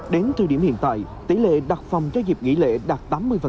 đến thời điểm hiện tại tỷ lệ đặt phòng cho dịp nghỉ lễ đạt tám mươi